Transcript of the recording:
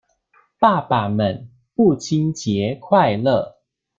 爸爸們父親節快樂！